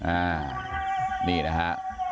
อ่านี่นะฮะ